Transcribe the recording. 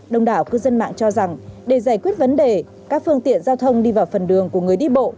đông đảo cư dân mạng cho rằng để giải quyết vấn đề các phương tiện giao thông đi vào phần đường của người đi bộ